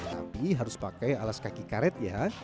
tapi harus pakai alas kaki karet ya